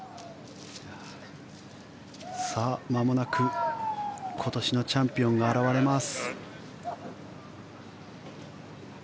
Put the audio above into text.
まもなく今年のチャンピオンが現れます。